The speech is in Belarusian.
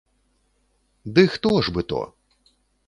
Ды хто ж бы то?